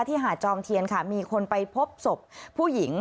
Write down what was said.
หาดจอมเทียนค่ะมีคนไปพบศพผู้หญิง